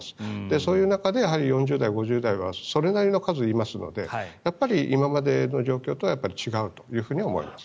そういう中で４０代、５０代の数はそれなりの数いますのでやっぱり、今までの状況とは違うと思います。